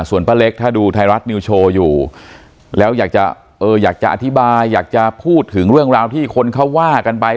ส่วนป้าเล็กถ้าดูไทยรัฐนิวโชว์อยู่แล้วอยากจะอยากจะอธิบายอยากจะพูดถึงเรื่องราวที่คนเขาว่ากันไป